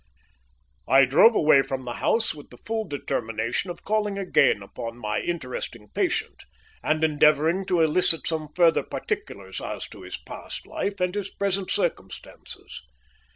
I drove away from the house with the full determination of calling again upon my interesting patient, and endeavouring to elicit some further particulars as to his past life and his present circumstances.